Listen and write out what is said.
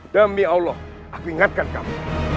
demi allah aku ingatkan kami